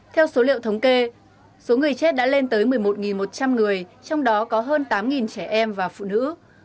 theo số liệu thống kê số người chết đã lên tới một mươi một một trăm linh người trong đó có hơn tám trẻ em và phụ nữ